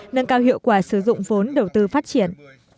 nâng cao hiệu quả sử dụng vốn đầu tư phát triển